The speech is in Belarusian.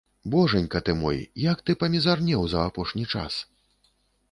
Божанька ты мой, як ты памізарнеў за апошні час!